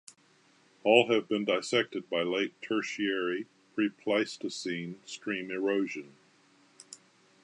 All have been dissected by late Tertiary, pre-Pleistocene stream erosion.